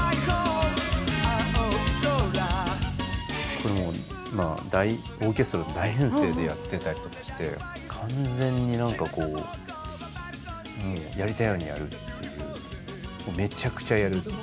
これ大オーケストラ大編成でやってたりとかして完全に何かこうもうやりたいようにやるっていうめちゃくちゃやる。